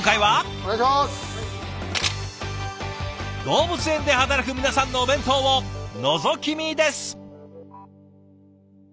動物園で働く皆さんのお弁当をのぞき見です。